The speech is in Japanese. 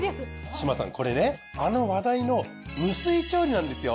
志真さんこれねあの話題の無水調理なんですよ。